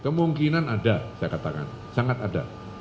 kemungkinan ada saya katakan sangat ada